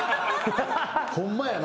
ホンマやな。